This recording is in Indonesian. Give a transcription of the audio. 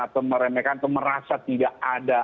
atau meremehkan atau merasa tidak ada